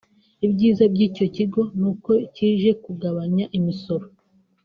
Ibyiza by’icyo kigo nuko kije kugabanya imisoro